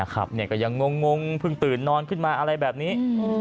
ก็ยังงงเพิ่งตื่นนอนขึ้นมาอะไรแบบนี้